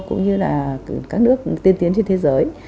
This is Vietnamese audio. cũng như là các nước tiên tiến trên thế giới